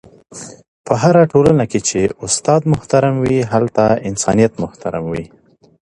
په هره ټولنه کي چي استاد محترم وي، هلته انسانیت محترم وي..